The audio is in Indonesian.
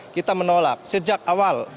kita menolak sejak awal